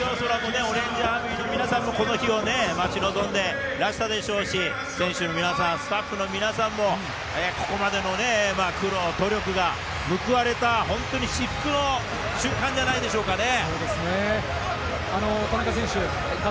オレンジアーミーの皆さんもこの日を待ち望んでらしたでしょうし、選手の皆さん、スタッフの皆さんもここまでの苦労・努力が報われた、本当に至福の瞬間じゃないでしょうかね。